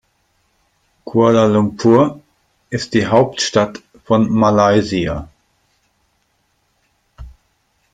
Kuala Lumpur ist die Hauptstadt von Malaysia.